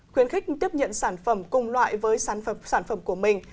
khuyến khích tiếp nhận sản phẩm cùng loại với sản phẩm của mình